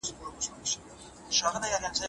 د ښار خلک د کلابندۍ په اړه معلومات ترلاسه کړل.